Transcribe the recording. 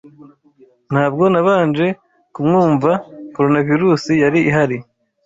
Ntabwo nabanje kumwumva Coronavirusi yari ihari.